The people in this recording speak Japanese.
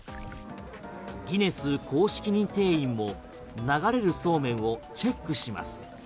ギネス公式認定員も流れるそうめんをチェックします。